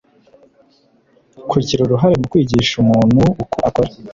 kugira uruhare mu kwigisha muntu uko akora